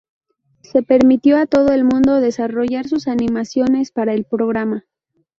Se permitió a todo el mundo desarrollar sus animaciones para el programa.